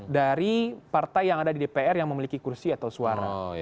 dari partai yang ada di dpr yang memiliki kursi atau suara